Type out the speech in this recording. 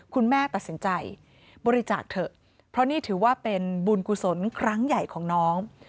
คุณแม่ตัดสินใจบริจาคเถอะเพราะนี่ถือว่าเป็นบุญกุศลครั้งใหญ่ของน้อง